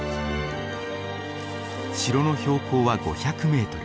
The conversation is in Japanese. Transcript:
城の標高は５００メートル。